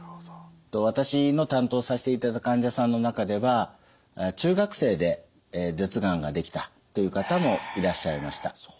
私の担当させていただいた患者さんの中では中学生で舌がんができたという方もいらっしゃいました。